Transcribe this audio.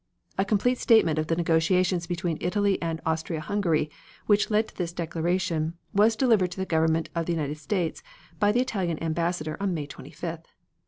A complete statement of the negotiations between Italy and Austria Hungary, which led to this declaration, was delivered to the Government of the United States by the Italian Ambassador on May 25th.